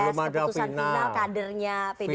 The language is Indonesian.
keputusan final kadernya pdip capres